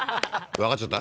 わかっちゃった？